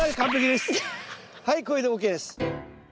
はいこれでＯＫです。